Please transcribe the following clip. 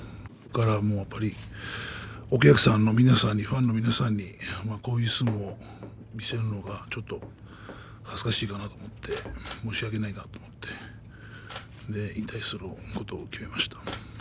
やっぱりお客さんの皆さんにファンの皆さんにこういう相撲を見せるのは恥ずかしいかなと思って申し訳ないなと思って引退することを決めました。